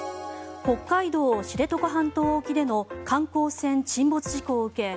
北海道・知床半島沖での観光船沈没事故を受け